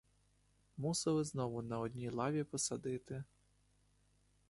Мусили знову на одній лаві посадити.